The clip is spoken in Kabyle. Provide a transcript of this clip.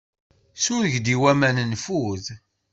Sureg-d i waman nfud.